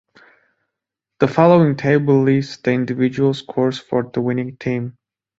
The following table lists the individual scores for the winning team.